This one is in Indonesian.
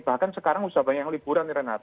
bahkan sekarang sudah banyak yang liburan renat